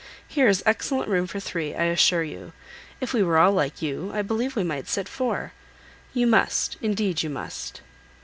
Here is excellent room for three, I assure you. If we were all like you, I believe we might sit four. You must, indeed, you must."